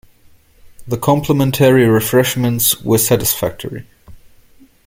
The complimentary refreshments were satisfactory.